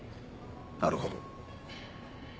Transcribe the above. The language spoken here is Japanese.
なるほど。